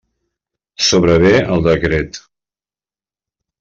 Sobrevé el decret.